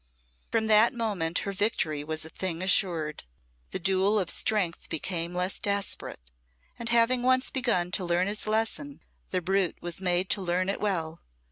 From that moment her victory was a thing assured. The duel of strength became less desperate, and having once begun to learn his lesson, the brute was made to learn it well.